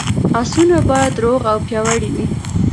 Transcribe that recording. اسونه باید روغ او پیاوړي وي.